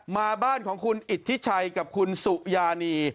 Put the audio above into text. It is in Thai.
มาบ้านของคุณอิทธิชัยกับคุณสุยานี